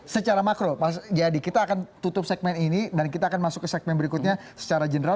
secara makro pak jayadi kita akan tutup segmen ini dan kita akan masuk ke segmen berikutnya secara general